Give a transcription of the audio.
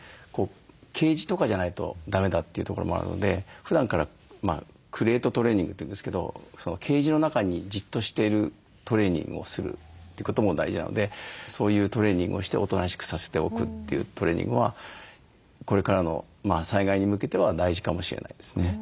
ケージとかじゃないとだめだというところもあるのでふだんからクレートトレーニングというんですけどケージの中にじっとしているトレーニングをするということも大事なのでそういうトレーニングをしておとなしくさせておくというトレーニングはこれからの災害に向けては大事かもしれないですね。